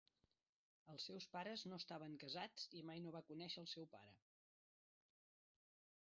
Els seus pares no estaven casats i mai no va conèixer el seu pare.